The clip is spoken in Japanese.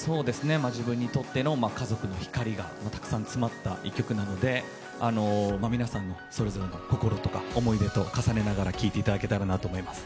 自分にとっての家族光がたくさん詰まった一曲なので、皆さんそれぞれの心、思い出と重ねて聴いていただけたらと思います。